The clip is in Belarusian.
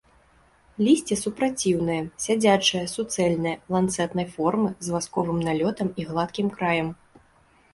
Лісце супраціўнае, сядзячае, суцэльнае, ланцэтнай формы, з васковым налётам і гладкім краем.